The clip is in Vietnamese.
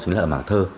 chính là mảng thơ